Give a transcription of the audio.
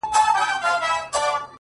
خداى دي زما د ژوندون ساز جوړ كه،